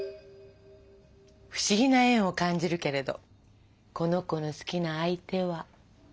不思議な縁を感じるけれどこの子の好きな相手は。